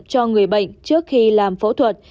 cho người bệnh trước khi làm phẫu thuật